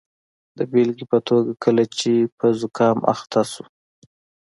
د بیلګې په توګه کله چې په زکام اخته اوسو.